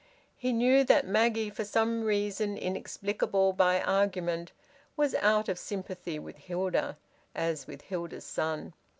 He knew that Maggie, for some reason inexplicable by argument, was out of sympathy with Hilda, as with Hilda's son.